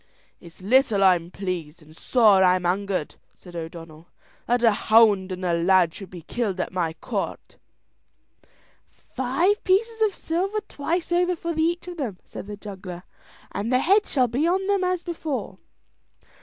"It's little I'm pleased, and sore I'm angered," said O'Donnell, "that a hound and a lad should be killed at my court." "Five pieces of silver twice over for each of them," said the juggler, "and their heads shall be on them as before."